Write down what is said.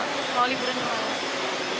mau liburan kemana